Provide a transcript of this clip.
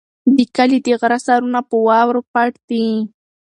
د کلي د غره سرونه په واورو پټ دي.